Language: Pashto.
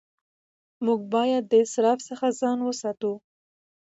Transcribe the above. موږ باید د اسراف څخه ځان وساتو